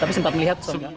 tapi sempat melihat